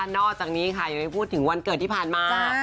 นอกจากนี้ค่ะยังไม่พูดถึงวันเกิดที่ผ่านมา